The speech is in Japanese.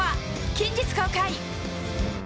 近日公開。